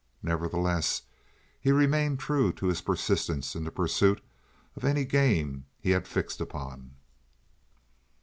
Nevertheless, he remained true to his persistence in the pursuit of any game he had fixed upon.